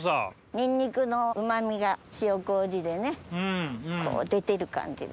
ニンニクの旨みが塩麹でね出てる感じです。